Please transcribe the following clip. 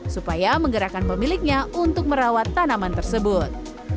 supaya menggerakkan pemiliknya untuk merawat tanaman tersebut